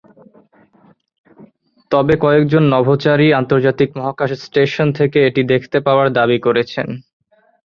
তবে কয়েকজন নভোচারী আন্তর্জাতিক মহাকাশ স্টেশন থেকে এটি দেখতে পাওয়ার দাবি করেছেন।